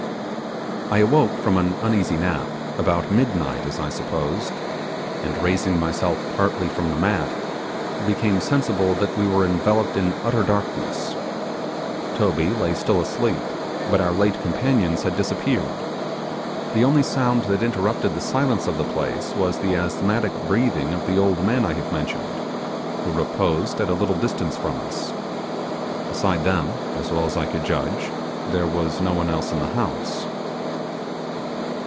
I awoke from an uneasy nap, about midnight, as I supposed; and, raising myself partly from the mat, became sensible that we were enveloped in utter darkness. Toby lay still asleep, but our late companions had disappeared. The only sound that interrupted the silence of the place was the asthmatic breathing of the old men I have mentioned, who reposed at a little distance from us. Besides them, as well as I could judge, there was no one else in the house.